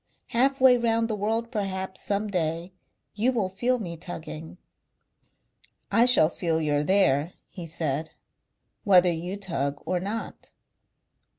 Half way round the world perhaps some day you will feel me tugging." "I shall feel you're there," he said, "whether you tug or not...."